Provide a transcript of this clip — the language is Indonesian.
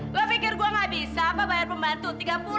lo pikir gue gak bisa apa bayar pembantu